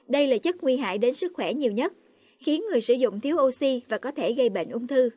đây là chất nguy hại đến sức khỏe nhiều nhất khiến người sử dụng thiếu oxy và có thể gây bệnh ung thư